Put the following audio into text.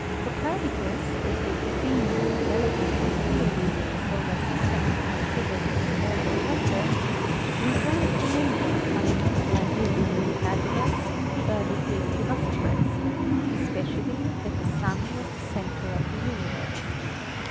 Copernicus, as will be seen when the development of the ories of the solar system is considered in an early chapter, returned to many of the fundamental ideas of Pythagoras, and the early Greek philosophers, especially that the Sun was the center of the universe.